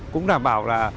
cũng đảm bảo là